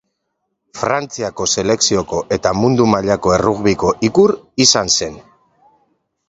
Frantziako selekzioko eta mundu mailako errugbiko ikur izan zen.